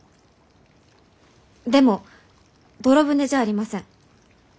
でも泥船じゃありません。